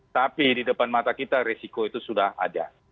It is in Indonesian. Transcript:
tapi di depan mata kita resiko itu sudah ada